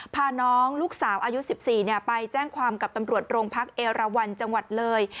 พาน้องลูกสาวอายุ๑๔ไปแจ้งความกับตำรวจโรงพักเอราวันจังหวัดเลย